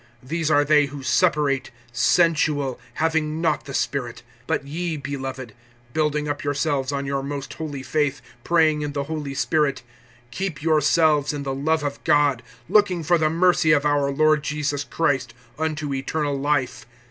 (19)These are they who separate; sensual, having not the Spirit. (20)But ye, beloved, building up yourselves on your most holy faith, praying in the Holy Spirit, (21)keep yourselves in the love of God, looking for the mercy of our Lord Jesus Christ, unto eternal life.